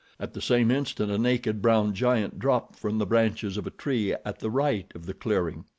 At the same instant a naked, brown giant dropped from the branches of a tree at the right of the clearing.